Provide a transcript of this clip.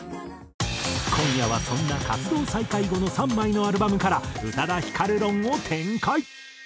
今夜はそんな活動再開後の３枚のアルバムから宇多田ヒカル論を展開。